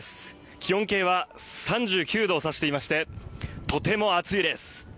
気温計は３９度を指していまして、とても暑いです。